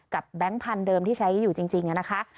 แบงค์พันธุ์เดิมที่ใช้อยู่จริงนะคะ